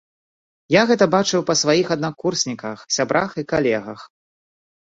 Я гэта бачыў па сваіх аднакурсніках, сябрах і калегах.